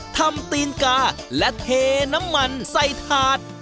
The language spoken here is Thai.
ตีนกาและเทน้ำมันใส่ถาด